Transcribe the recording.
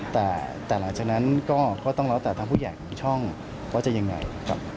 แต่หลังจากนั้นก็ต้องแล้วแต่ทางผู้ใหญ่ของช่องว่าจะยังไงครับ